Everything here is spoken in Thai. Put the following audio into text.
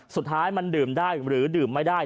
สุดท้ายมันดื่มได้หรือดื่มไม่ได้